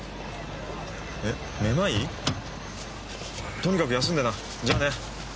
とにかく休んでなじゃあね。